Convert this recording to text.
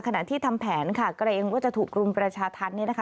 ขณะที่ทำแผนค่ะเกรงว่าจะถูกรุมประชาธรรมเนี่ยนะคะ